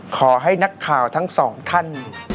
ขอให้นักข่าวทั้งสองท่าน